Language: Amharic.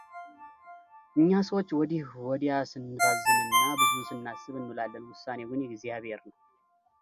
እኛ ሰዎች ወዲህ ወዲያ ስንባዝንና ብዙ ስናስብ እንውላለን ውሳኔው ግን የእግዚአብሔር ነው፡፡